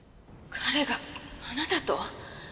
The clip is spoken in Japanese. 彼があなたと？